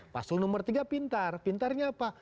paslon nomor tiga pintar pintarnya apa